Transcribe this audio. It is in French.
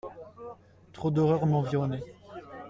Trop d'horreurs m'environnaient.